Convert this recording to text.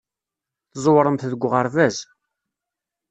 Tẓewremt deg uɣerbaz.